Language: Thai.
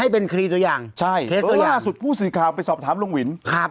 เป็นคดีตัวอย่างใช่เคสตัวล่าสุดผู้สื่อข่าวไปสอบถามลุงวินครับ